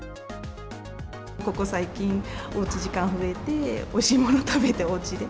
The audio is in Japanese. ここ最近、おうち時間増えて、おいしいもの食べておうちで。